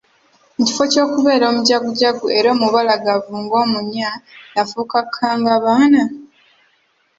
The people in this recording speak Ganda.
Mu kifo ky'okubeera omujagujagu era omubalagavu ng'omunya, yafuuka kkangabaana!